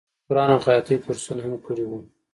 هغې د قرآن او خیاطۍ کورسونه هم کړي وو